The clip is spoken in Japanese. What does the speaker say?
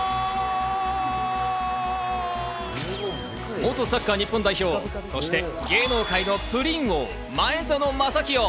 元サッカー日本代表、そして芸能界のプリン王・前園真聖。